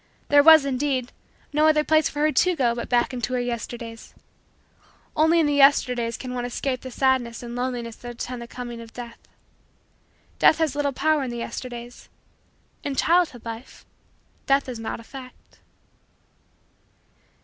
There was, indeed, no other place for her to go but back into her Yesterdays. Only in the Yesterdays can one escape the sadness and loneliness that attend the coming of Death. Death has little power in the Yesterdays. In childhood life, Death is not a fact.